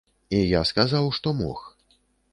І я сказаў, што мог.